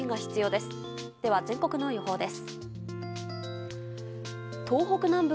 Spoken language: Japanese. では全国の予報です。